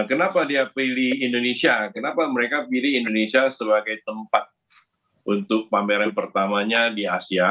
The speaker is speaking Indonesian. kenapa dia pilih indonesia kenapa mereka pilih indonesia sebagai tempat untuk pameran pertamanya di asia